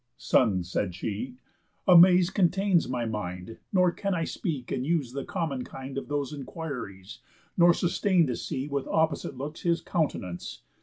_ "Son," said she, "amaze contains my mind, Nor can I speak and use the common kind Of those enquiries, nor sustain to see With opposite looks his count'nance.